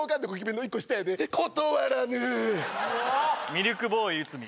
ミルクボーイ内海